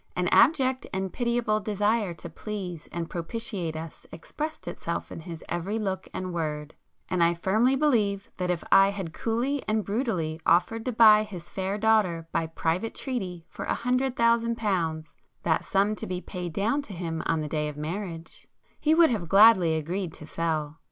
An abject and pitiable desire to please and propitiate us expressed itself in his every look and word; and I firmly believe that if I had coolly and brutally offered to buy his fair daughter by private treaty for a hundred thousand pounds, that sum to be paid down to him on the day of marriage, he would have gladly agreed to sell.